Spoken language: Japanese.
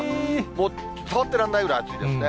もう触ってらんないくらい熱いですね。